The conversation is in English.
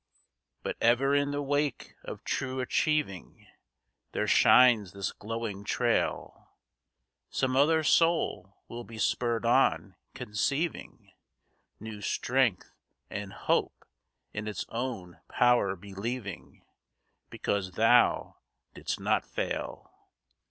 But ever in the wake of true achieving There shines this glowing trail— Some other soul will be spurred on, conceiving New strength and hope, in its own power believing, Because thou didst not fail.